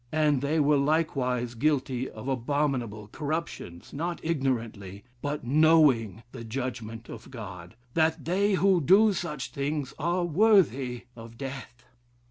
And they were likewise guilty of abominable corruptions, not ignorantly, but knowing the judgment of God, that they who do such things are worthy of death.